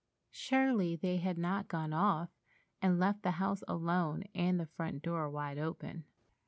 Surely they had not gone off and left the house alone and the front door wide open!